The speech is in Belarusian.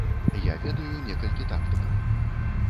Я ведаю некалькі тактыкаў.